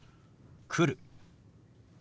「来る」。